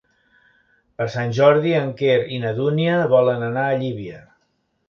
Per Sant Jordi en Quer i na Dúnia volen anar a Llívia.